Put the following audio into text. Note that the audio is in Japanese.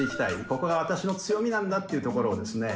ここが私の強みなんだっていうところをですね